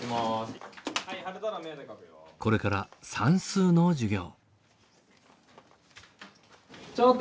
これから算数の授業。